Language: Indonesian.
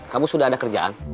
kamu sudah ada kerjaan